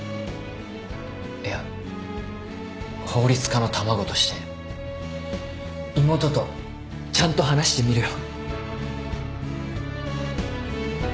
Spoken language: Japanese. いや法律家の卵として妹とちゃんと話してみるよ。